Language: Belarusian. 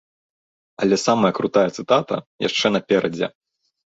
Але самая крутая цытата яшчэ наперадзе.